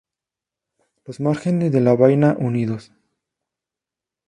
Los márgenes de la vaina unidos.